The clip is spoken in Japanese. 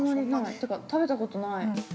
ってか、食べたことない。